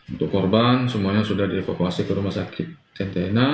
untuk korban semuanya sudah dievakuasi ke rumah sakit centena